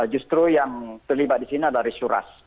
justru yang terlibat di sini adalah isu ras